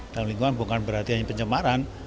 dalam lingkungan bukan berarti hanya pencemaran